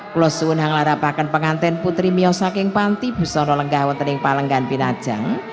klusun hanglarapakan pengantin putri mio saking panti buzono lenggah wetening palenggan binajang